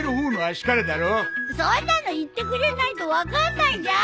そんなの言ってくれないと分かんないじゃん。